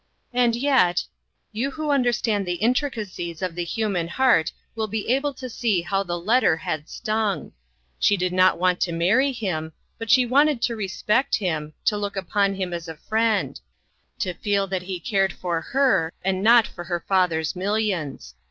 And yet, you who understand the intrica cies of the human heart will be able to see how the letter had stung. She did not want to marry him, but she wanted to re spect him, to look upon him as a friend ; to feel that he cared for her, and not for her father's millions.